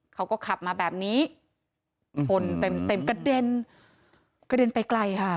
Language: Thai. เขาก็ขับมาแบบนี้ชนเต็มเต็มกระเด็นกระเด็นไปไกลค่ะ